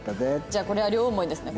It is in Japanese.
じゃあこれは両思いですね